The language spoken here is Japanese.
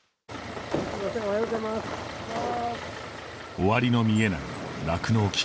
終わりの見えない酪農危機。